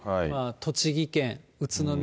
栃木県宇都宮